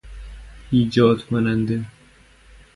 ایجاد کننده